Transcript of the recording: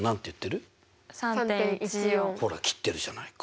ほら切ってるじゃないか。